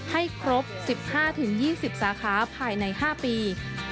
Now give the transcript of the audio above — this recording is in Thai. ให้ครบ๑๕๒๐สาขาภายใน๕ปี